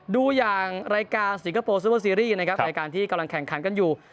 ดูอย่างรายการสิงคโปร์ซูเปอร์ซีรีส์นะครับรายการที่กำลังแข่งขันกันอยู่